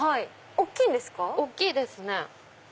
大っきいですね。